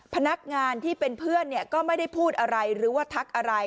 พนักงานที่เป็นเพื่อนก็ไม่ได้พูดอะไรหรือว่าทักอะไร